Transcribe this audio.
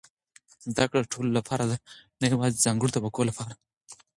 زده کړه د ټولو لپاره ده، نه یوازې د ځانګړو طبقو لپاره.